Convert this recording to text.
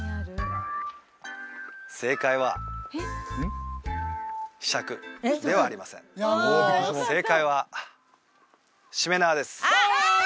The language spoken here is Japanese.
正解はひしゃくではありません正解は「しめ縄」です